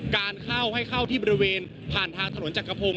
การเข้าให้เข้าที่บริเวณผ่านทางถนนจักรพงศ